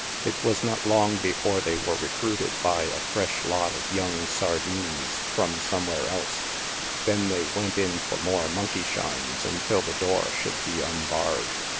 It was not long before they were recruited by a fresh lot of young " sardines" from some where else — then they went in for more monkey shines until the door should be unbarred.